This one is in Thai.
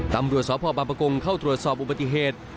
ตำรวจสพบางประกงเข้าตรวจสอบอุบัติเหตุ